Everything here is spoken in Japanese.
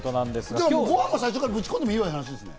ご飯を最初からぶち込んでもいい話。